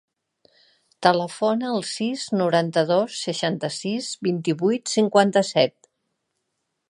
Telefona al sis, noranta-dos, seixanta-sis, vint-i-vuit, cinquanta-set.